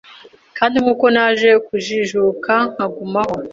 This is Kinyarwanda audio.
kandi nkuko naje kujijuka nkagumaho